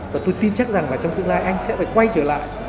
và tôi tin chắc rằng là trong tương lai anh sẽ phải quay trở lại